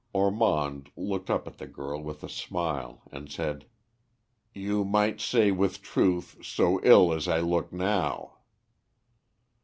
Ormond looked up at the girl with a smile, and said "You might say with truth, so ill as I look now."